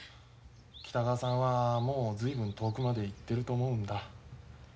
北川さんはもう随分遠くまで行ってると思うんだ。